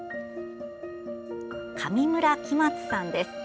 上村喜松さんです。